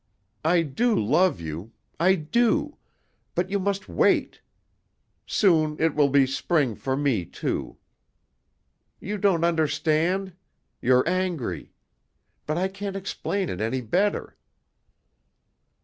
I do love you. I do. But you must wait. Soon it will be spring for me, too. You don't understand? You're angry? But I can't explain it any better."